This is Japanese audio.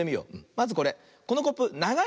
まずこれこのコップながいね。